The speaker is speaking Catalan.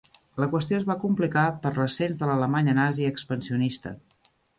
La qüestió es va complicar per l'ascens de l'Alemanya nazi expansionista.